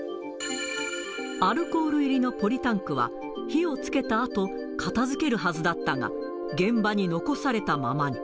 アルコール入りのポリタンクは火をつけたあと片づけるはずだったが、現場に残されたままに。